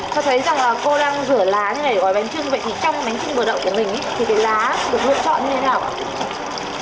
tôi thấy rằng cô đang rửa lá như này gọi bánh trưng vậy thì trong bánh trưng bờ đậu của mình thì cái lá được lựa chọn như thế nào ạ